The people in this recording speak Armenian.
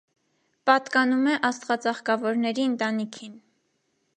Պատկանում է աստղածաղկավորների ընտանիքին։